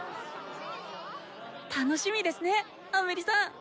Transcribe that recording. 楽しみですねアメリさん！